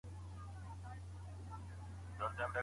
په لاس لیکل د زده کوونکو د تلپاتې بریالیتوب کیلي ده.